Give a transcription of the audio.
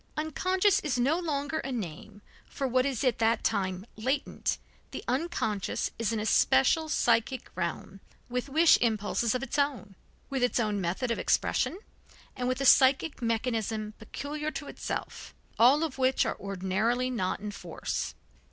Unconscious is no longer a name for what is at that time latent, the unconscious is an especial psychic realm with wish impulses of its own, with its own method of expression and with a psychic mechanism peculiar to itself, all of which ordinarily are not in force.